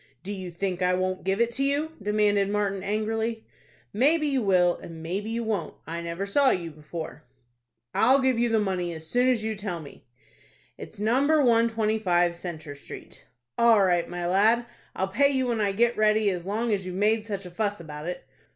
"Do you think I won't give it to you?" demanded Martin, angrily. "Maybe you will, and maybe you won't. I never saw you before." "I'll give you the money as soon as you tell me." "It's No. 125 Centre Street." "All right, my lad, I'll pay you when I get ready as long as you've made such a fuss about it."